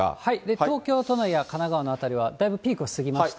東京都内や神奈川の辺りは、だいぶピークを過ぎました。